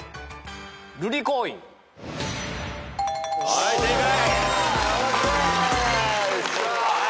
はい正解。